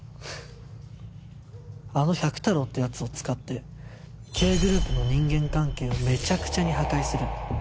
あの百太郎って奴を使ってＫグループの人間関係をめちゃくちゃに破壊する。